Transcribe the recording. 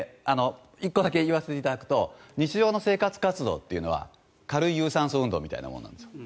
１個だけ言わせていただくと日常の生活活動というのは軽い有酸素運動みたいなものなんです。